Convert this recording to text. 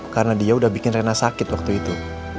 karena dia udah bikin reina sakit waktu itu